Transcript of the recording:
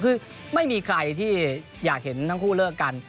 คือไม่มีใครที่อยากเห็นทั้งคู่เลิกกัน